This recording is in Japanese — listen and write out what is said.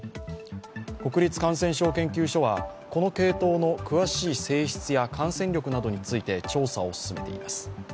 国立感染症研究所はこの系統の詳しい性質や感染力などについて調査を進めています。